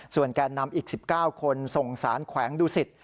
แก่นำอีก๑๙คนส่งสารแขวงดุสิต